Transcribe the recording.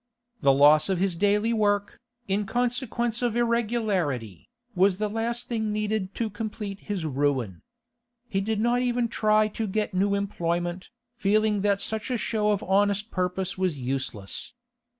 The loss of his daily work, in consequence of irregularity, was the last thing needed to complete his ruin. He did not even try to get new employment, feeling that such a show of honest purpose was useless.